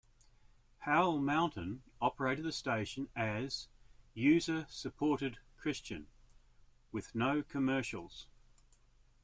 Howell Mountain operated the station as "user supported Christian" with no commercials.